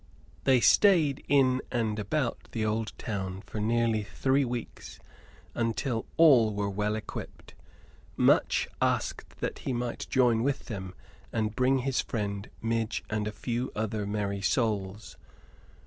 They stayed in and about the old town for nearly three weeks, until all were well equipped. Much asked that he might join with them and bring his friend Midge and a few other merry souls.